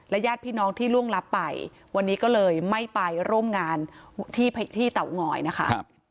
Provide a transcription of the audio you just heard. ญาติพี่น้องที่ล่วงลับไปวันนี้ก็เลยไม่ไปร่วมงานที่เตางอยนะคะ